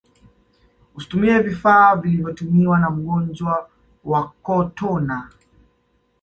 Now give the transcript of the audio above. usitumie vifaa vilivyotumiwa na mgonjwa wa kotona